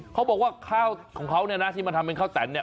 เขาบอกว่าข้าวของเขาที่มาทำเป็นข้าวแต่น